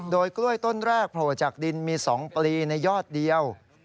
โดยกล้วยต้นแรกโผล่จากดินมี๒ปลีในยอดเดียว